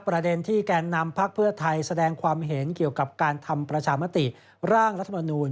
ประเด็นที่แกนนำพักเพื่อไทยแสดงความเห็นเกี่ยวกับการทำประชามติร่างรัฐมนูล